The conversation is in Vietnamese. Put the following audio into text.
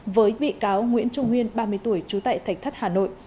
với bị cáo nguyễn trung nguyên ba mươi tuổi trú tại thạch thất hà nội